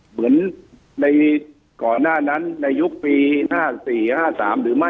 เหมือนในก่อนหน้านั้นในยุคปี๕๔๕๓หรือไม่